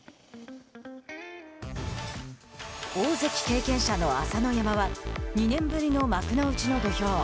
大関経験者の朝乃山は２年ぶりの幕内の土俵。